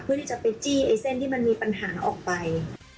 เพื่อที่จะไปจี้ไอ้เส้นที่มันมีปัญหาออกไป